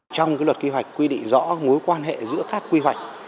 trong cái luật kỳ hoạch quy định rõ mối quan hệ giữa các quy hoạch